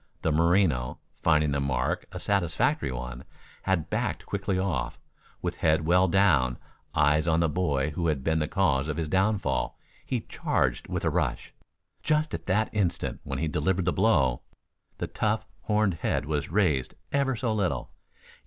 The Merino, finding the mark a satisfactory one, had backed quickly off. With head well down, eyes on the boy who had been the cause of his downfall, he charged with a rush. Just at the instant when he delivered the blow, the tough, horned head was raised ever so little.